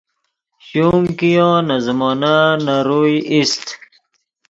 شوم کیو نے زیمونن نے روئے ایست